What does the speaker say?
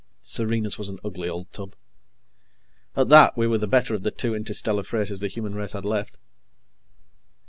Serenus was an ugly old tub. At that, we were the better of the two interstellar freighters the human race had left.